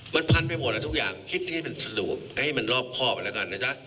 มันพันไปหมดแล้วทุกอย่างคิดให้มันสะดวกให้มันรอบครอบแล้วกันนะจ๊ะ